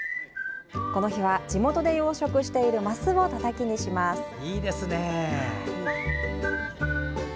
この日は、地元で養殖しているますをたたきにします。